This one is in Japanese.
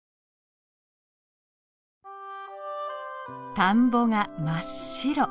田んぼが真っ白。